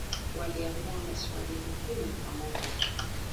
Waliamua maswali muhimu pamoja.